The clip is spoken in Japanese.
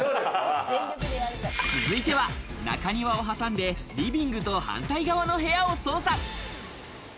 続いては中庭を挟んで、リビングと反対側の部屋を捜査。